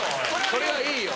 それはいいよ。